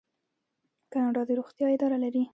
کاناډا د روغتیا اداره لري.